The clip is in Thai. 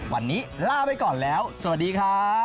วันนี้ลาไปก่อนแล้วสวัสดีครับ